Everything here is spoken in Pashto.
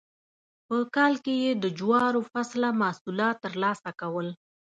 په کال کې یې د جوارو فصله محصولات ترلاسه کول.